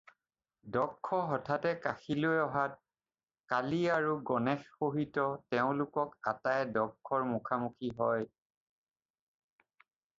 দক্ষ হঠাতে কাশীলৈ অহাত কালী আৰু গণেশসহিত তেওঁলোক আটায়ে দক্ষৰ মুখামুখি হয়।